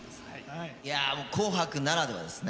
いやもう「紅白」ならではですね